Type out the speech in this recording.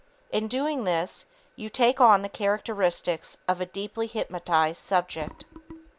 In doing this, you take on the characteristics of a deeply hypnotized subject.